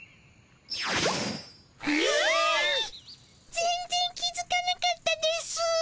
全ぜん気づかなかったですぅ。